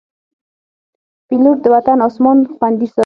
پیلوټ د وطن اسمان خوندي ساتي.